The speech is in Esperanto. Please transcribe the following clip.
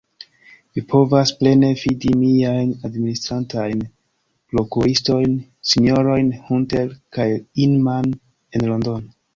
Vi povas plene fidi miajn administrantajn prokuristojn, sinjorojn Hunter kaj Inman en Londono.